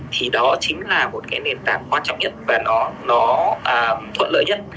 thì đó chính là một cái nền tảng quan trọng nhất và nó thuận lợi nhất